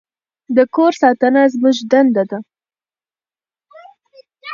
د کور ساتنه زموږ دنده ده.